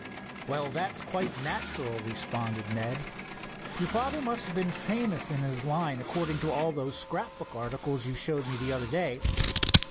"Well, that's quite natural," responded Ned. "Your father must have been famous in his line, according to all those scrap book articles you showed me the other day."